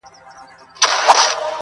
پښتنو واورئ! ډوبېږي بېړۍ ورو ورو!!